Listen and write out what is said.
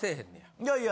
いやいや。